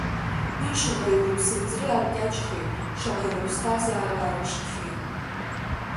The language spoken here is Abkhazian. Уи шаҟаҩ рыԥсынҵры аркьаҿхьеи, шаҟаҩ рыԥсҭазаара арашахьеи.